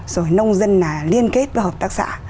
rồi nông dân liên kết với hợp tác xã